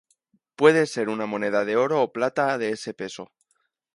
Puede ser una moneda de oro o plata de ese peso.